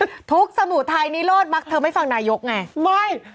คือทุกสมุทรไทยนิโรธมักเธอไม่ฟังนายกไงไม่